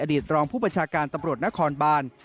รองผู้บัญชาการตำรวจนครบาน